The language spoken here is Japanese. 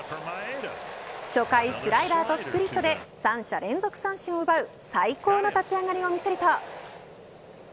初回、スライダーとスプリットで３者連続三振を奪い最高の立ち上がりを見せると。